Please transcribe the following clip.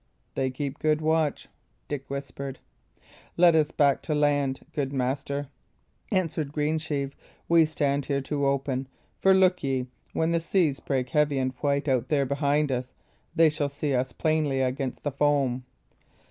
"They keep good watch," Dick whispered. "Let us back to land, good master," answered Greensheve. "We stand here too open; for, look ye, when the seas break heavy and white out there behind us, they shall see us plainly against the foam."